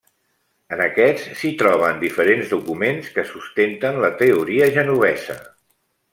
En aquests s'hi troben diferents documents que sustenten la teoria genovesa.